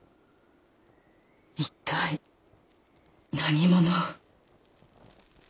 一体何者？